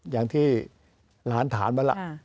อย่างที่หลานถามมาล่ะ